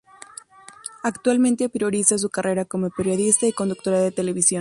Actualmente prioriza su carrera como periodista y conductora de televisión.